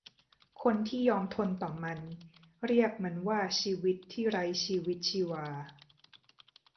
คนที่ยอมทนต่อมัน เรียกมีนว่าชีวิตที่ไร้ชีวิตชีวา